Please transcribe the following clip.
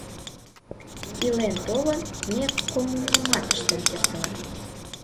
— Илен-толын, ме коммунымат ыштен кертына.